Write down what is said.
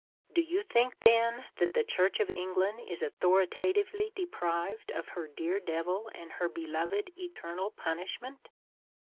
Do you think, then, that the Church of England is authoritatively deprived of her dear Devil and her beloved eternal punishment?